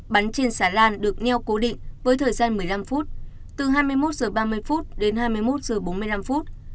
bắn trên xà lan được neo cố định với thời gian một mươi năm phút từ hai mươi một h ba mươi đến hai mươi một h bốn mươi năm phút